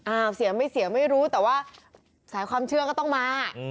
เสียไม่เสียไม่รู้แต่ว่าสายความเชื่อก็ต้องมา